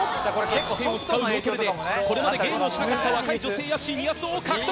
タッチペンを使う脳トレでこれまでゲームをしなかった若い女性やシニア層を獲得。